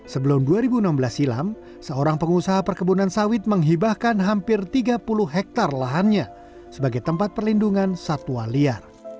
sebelum dua ribu enam belas silam seorang pengusaha perkebunan sawit menghibahkan hampir tiga puluh hektare lahannya sebagai tempat perlindungan satwa liar